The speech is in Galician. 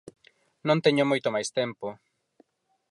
Non teño moito máis tempo.